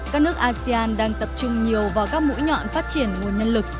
các nước asean đang tập trung nhiều vào các mũi nhọn phát triển nguồn nhân lực